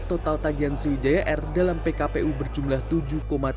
total tagihan sriwijaya air dalam pkpu berjumlah tujuh tiga